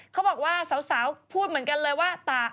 เขาบอกว่าสาวพูดเหมือนกันเลยว่า